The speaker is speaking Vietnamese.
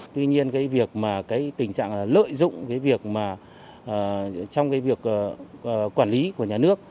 tuy nhiên cái việc mà cái tình trạng là lợi dụng cái việc mà trong cái việc quản lý của nhà nước